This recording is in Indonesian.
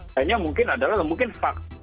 tentunya mungkin adalah mungkin fak